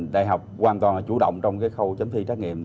đại học hoàn toàn chủ động trong khâu chấm thi trắc nghiệm